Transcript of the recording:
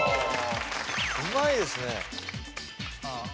うまいですね。